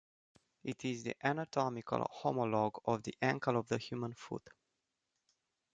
It is the anatomical homologue of the ankle of the human foot.